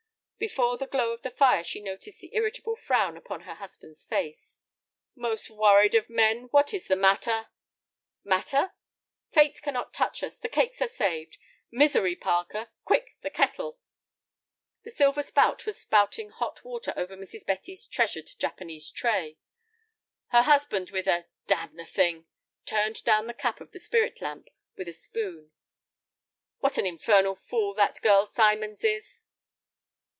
Before the glow of the fire she noticed the irritable frown upon her husband's face. "Most worried of men, what is the matter?" "Matter!" "Fate cannot touch us, the cakes are saved. Misery, Parker! Quick, the kettle!" The silver spout was spouting hot water over Mrs. Betty's treasured Japanese tray. Her husband with a "damn the thing," turned down the cap of the spirit lamp with a spoon. "What an infernal fool that girl Symons is!"